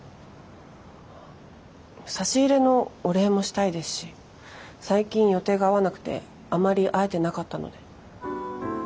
差し入れのお礼もしたいですし最近予定が合わなくてあまり会えてなかったので。